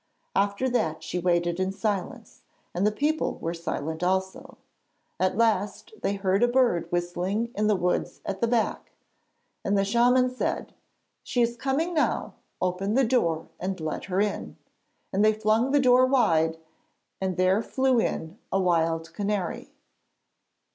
After that she waited in silence, and the people were silent also. At last they heard a bird whistling in the woods at the back, and the shaman said: 'She is coming now; open the door and let her in,' and they flung the door wide, and there flew in a wild canary.